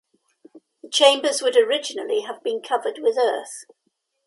The chambers would originally have been covered with earth.